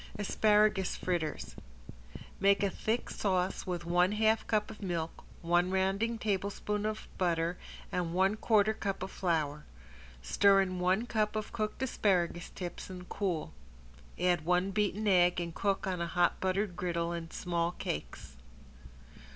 ~ASPARAGUS FRITTERS~ Make a thick sauce with one half cup of milk, one rounding tablespoon of butter and one quarter cup of flour. Stir in one cup of cooked asparagus tips and cool. Add one beaten egg and cook on a hot buttered griddle in small cakes.